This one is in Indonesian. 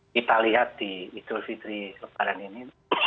kita lihat di idul fitri lebaran ini